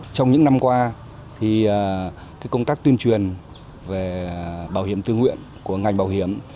trong những năm qua công tác tuyên truyền về bảo hiểm tư nguyện của ngành bảo hiểm